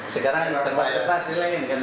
sekarang terpas terpas ini lagi